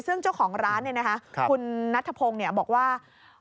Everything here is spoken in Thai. ซึ่งเจ้าของร้านคุณนัทธพงศ์บอกว่า